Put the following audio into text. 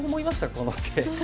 この手。